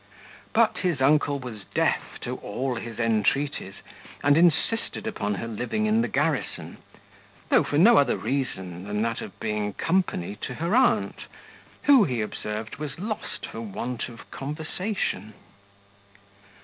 But his uncle was deaf to all his entreaties, and insisted upon her living in the garrison, though for no other reason than that of being company to her aunt, who, he observed, was lost for want of conversation.